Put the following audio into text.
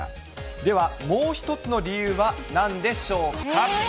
では、もう１つの理由はなんでしょうか。